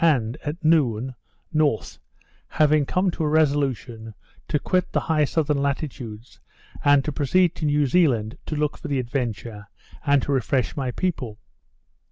and, at noon, north, having come to a resolution to quit the high southern latitudes, and to proceed to New Zealand to look for the Adventure, and to refresh my people.